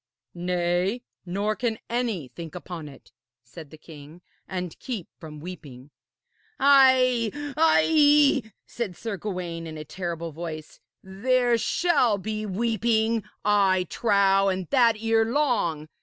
'Nay, nor can any think upon it,' said the king, 'and keep from weeping.' 'Ay, ay,' said Sir Gawaine in a terrible voice, 'there shall be weeping, I trow, and that erelong.